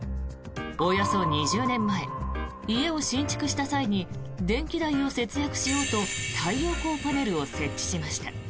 およそ２０年前家を新築した際に電気代を節約しようと太陽光パネルを設置しました。